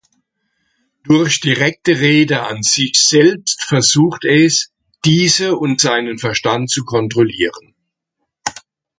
Durch direkte Rede an sich selbst versucht es, diese und seinen Verstand zu kontrollieren.